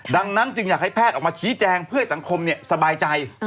ดังนั้นจึงอยากให้แพทย์ออกมาชี้แจงเพื่อให้สังคมสบายใจ